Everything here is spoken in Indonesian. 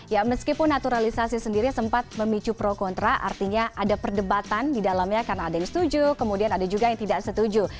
ya meskipun naturalisasi sendiri sempat memicu pro kontra artinya ada perdebatan di dalamnya karena ada yang setuju kemudian ada juga yang tidak setuju